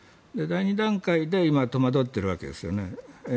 で、第２段階で今、戸惑っているわけですよね。